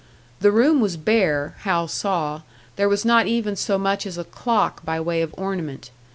The room was bare, Hal saw there was not even so much as a clock by way of ornament.